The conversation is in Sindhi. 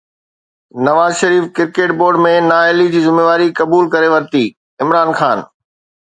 نواز شريف ڪرڪيٽ بورڊ ۾ نااهلي جي ذميواري قبول ڪري ورتي، عمران خان